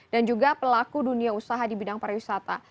dan juga pelaku dunia usaha di bidang pariwisata